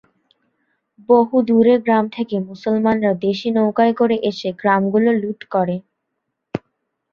বহু দূরের গ্রাম থেকে মুসলমানরা দেশি নৌকায় করে এসে গ্রামগুলো লুঠ করে।